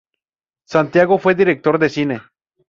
Santiago fue director de cine.